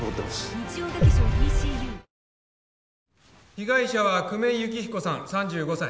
被害者は久米幸彦さん３５歳